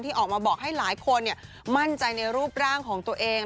ออกมาบอกให้หลายคนมั่นใจในรูปร่างของตัวเอง